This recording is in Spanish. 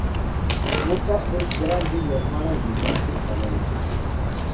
Su boca es grande y armada de dientes cónicos.